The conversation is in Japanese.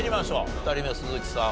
２人目鈴木さん